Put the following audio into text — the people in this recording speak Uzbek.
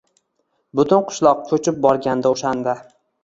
Butun qishloq ko`chib borgandi o`shanda